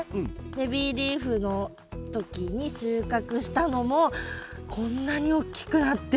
ベビーリーフの時に収穫したのもこんなにおっきくなってる。